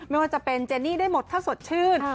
ไม่ว่าจะเป็นเจนี่ได้หมดถ้าสดชื่น